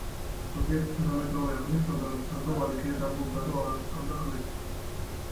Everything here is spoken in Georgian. ზოგიერთი თანამედროვე აღნიშნავდა, რომ სანდოვალი ღიად ამბობდა, რომ არ სწამდა ღმერთი.